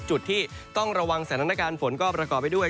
จุดที่ต้องระวังสถานการณ์ฝนก็ประกอบไปด้วย